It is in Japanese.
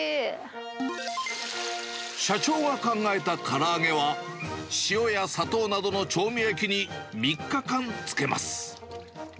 社長が考えたから揚げは、塩や砂糖などの調味液に３日間つけます。